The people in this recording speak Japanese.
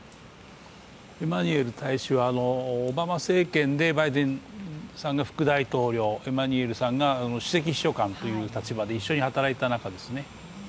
エマニュエル大使はオバマ政権でバイデンさんが副大統領、エマニュアルさんが首席秘書官という立場で一緒に働いた仲ですね。